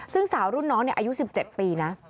ซึ่งสาวรุ่นน้องอายุ๑๗ปีนะ